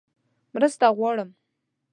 _مرسته غواړم!